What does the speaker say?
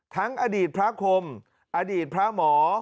อดีตพระคมอดีตพระหมอ